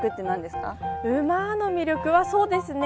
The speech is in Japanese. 馬の魅力はそうですね